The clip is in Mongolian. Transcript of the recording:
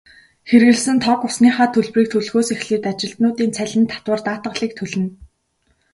Хэрэглэсэн тог, усныхаа төлбөрийг төлөхөөс эхлээд ажилтнуудын цалин, татвар, даатгалыг төлнө.